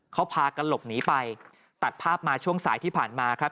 เขาพากันหลบหนีไปตัดภาพมาช่วงสายที่ผ่านมาครับ